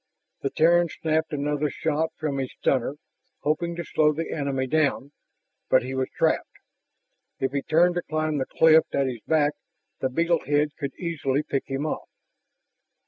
The Terran snapped another shot from his stunner, hoping to slow the enemy down. But he was trapped. If he turned to climb the cliff at his back, the beetle head could easily pick him off.